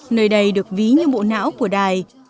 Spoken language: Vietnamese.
nơi đây được ví như bộ não của đài